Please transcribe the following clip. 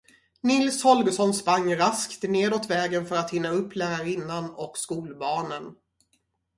Nils Holgersson sprang raskt neråt vägen för att hinna upp lärarinnan och skolbarnen.